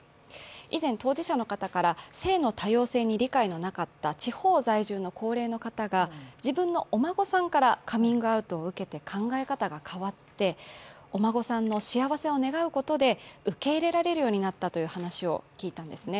以前、当事者の方から性の多様性に理解のなかった地方在住の高齢の方から自分のお孫さんからカミングアウトを受けて考え方が変わって、お孫さんの幸せを願うことで受け入れられるようになったというんですね。